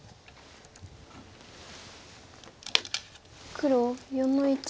黒４の一。